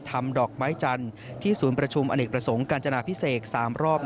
จิตอสาวมาทำดอกไม้จันทร์ที่ศูนย์ประชุมอเนตรสงค์การจณะพิเศษ๓รอบ